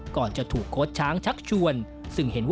ก่อนจะถูกโค้ดช้างชักชวน